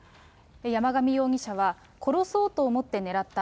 山上容疑者は、殺そうと思って狙った。